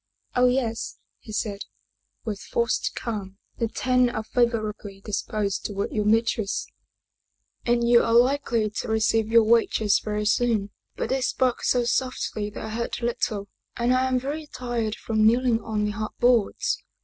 " Oh, yes," he said, with forced calm. " The Ten are favorably disposed toward your mistress, and you are likely to receive your wages very soon. But they spoke so soffly that I heard little, and I am very tired from kneeling on the hard boards.